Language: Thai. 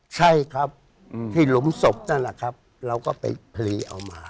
ใช่ครับที่หลุมศพนั่นแหละครับเราก็ไปพลีเอามา